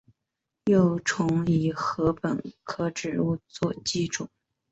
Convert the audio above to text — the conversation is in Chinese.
幼虫以禾本科植物作寄主。